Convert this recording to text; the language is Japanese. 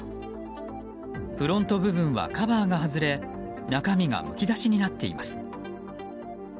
フロント部分はカバーが外れ中身がむき出しになっています。